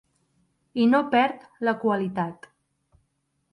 I no perd la qualitat.